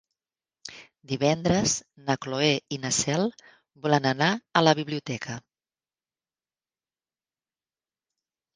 Divendres na Cloè i na Cel volen anar a la biblioteca.